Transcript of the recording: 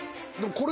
これ。